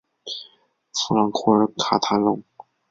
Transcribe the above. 弗朗库尔卡泰隆。